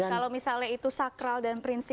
kalau misalnya itu sakral dan prinsip